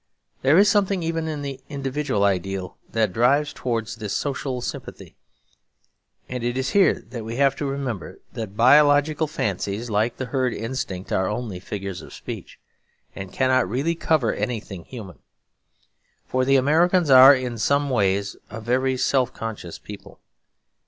There is something even in the individual ideals that drives towards this social sympathy. And it is here that we have to remember that biological fancies like the herd instinct are only figures of speech, and cannot really cover anything human. For the Americans are in some ways a very self conscious people.